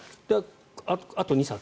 あと２冊。